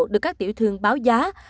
được các tiểu thương báo giá